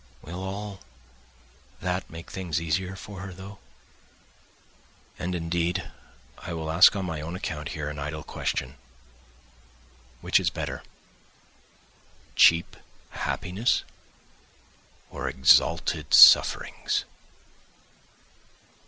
Will all that make things easier for her though? ..." And, indeed, I will ask on my own account here, an idle question: which is better—cheap happiness or exalted sufferings?